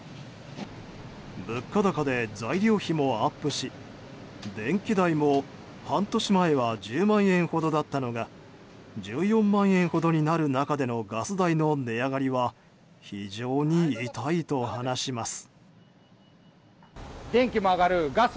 物価高で材料費もアップし電気代も、半年前は１０万円ほどだったのが１４万円ほどになる中でのガス代の値上がりは非常に痛いと話します。